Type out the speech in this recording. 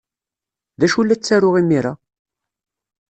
D acu la ttaruɣ imir-a?